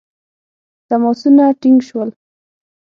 تماسونه ټینګ شول.